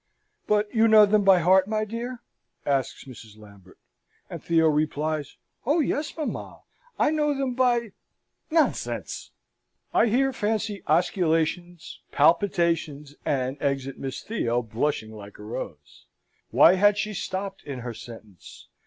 "But you know them by heart, my dear?" asks Mrs. Lambert. And Theo replies, "Oh yes, mamma! I know them by... Nonsense!" I here fancy osculations, palpitations, and exit Miss Theo, blushing like a rose. Why had she stopped in her sentence?